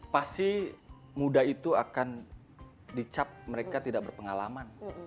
pasti muda itu akan dicap mereka tidak berpengalaman